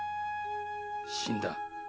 死んだ。